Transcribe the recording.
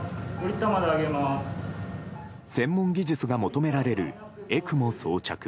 専門技術が求められるＥＣＭＯ装着。